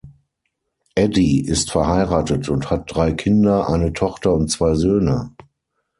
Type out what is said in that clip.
Addy ist verheiratet und hat drei Kinder, eine Tochter und zwei Söhne.